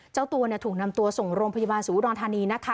เจ้าตัวถูกนำตัวส่งโรงพยาบาลศูนย์อุดรธานีนะคะ